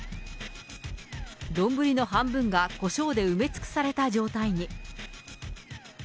丼の半分がコショウで埋め尽くされた状態に。